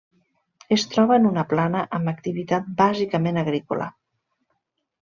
Es troba en una plana amb activitat bàsicament agrícola.